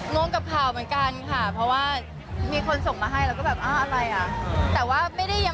มันก็ได้นะคะแต่ก็ต้องกลับไปเช็คอีกทีนึง